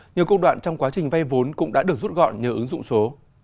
nhiều công đoạn trong quá trình vay vốn cũng đã được rút gọn nhờ ứng dụng số